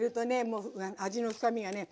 もう味の深みがね